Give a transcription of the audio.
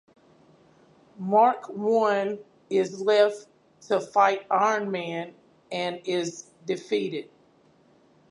Mark One is left to fight Iron Man and is defeated.